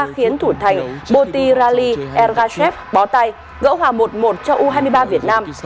khiến thủ thành boti rali ergachev bó tay gỡ hòa một một cho u hai mươi ba việt nam